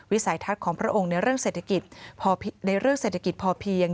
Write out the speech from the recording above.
วิสัยทัศน์ของพระองค์ในเรื่องเศรษฐกิจพอเพียง